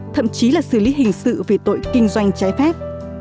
thậm chí là xử lý hình sự về tội kinh doanh trái phép